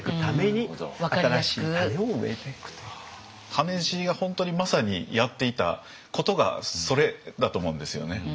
羽地が本当にまさにやっていたことがそれだと思うんですよね。